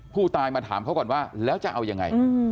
ผู้ตายมาถามเขาก่อนว่าแล้วจะเอายังไง